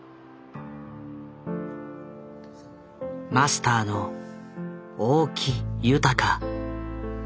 マスターの大木雄高。